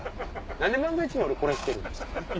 何で漫才中にしてるんですか？